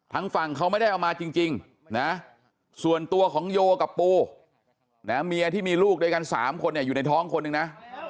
ทางฝั่งเขาไม่ได้เอามาจริงนะส่วนตัวของโยกับปูเมียที่มีลูกด้วยกัน๓คนอยู่ในท้องคนหนึ่งนะ